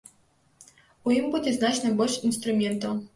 У ім будзе значна больш інструментаў.